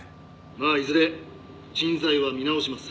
まあいずれ人材は見直します。